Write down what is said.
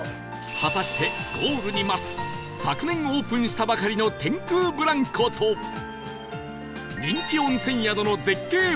果たしてゴールに待つ昨年オープンしたばかりの天空ブランコと人気温泉宿の絶景